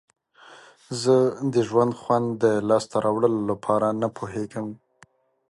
زه د ژوند خوند د لاسته راوړلو لپاره نه پوهیږم.